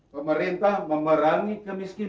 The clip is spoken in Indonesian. pemerintah memerangi kemiskinan